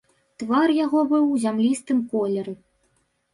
Твар яго быў у зямлістым колеры.